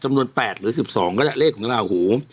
จำนวน๘หรือ๑๒ก็แหละเลขของราวหู